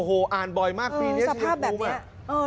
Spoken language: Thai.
โอ้โหอ่านบ่อยมากปีนี้ชายภูมิอ่ะ